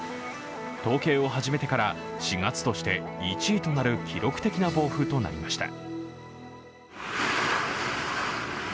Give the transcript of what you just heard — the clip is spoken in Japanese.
統計を始めてから４月として１位となる記録的な暴風となりました。